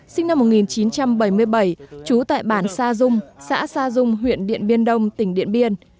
sinh năm một nghìn chín trăm bảy mươi bảy trú tại bản sa dung xã sa dung huyện điện biên đông tỉnh điện biên